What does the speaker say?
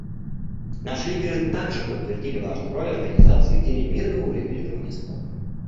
Наши лидеры также подтвердили важную роль Организации в деле мирного урегулирования споров.